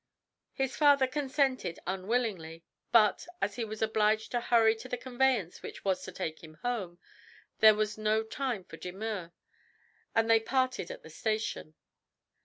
His father consented unwillingly, but, as he was obliged to hurry to the conveyance which was to take him home, there was no time for demur, and they parted at the station.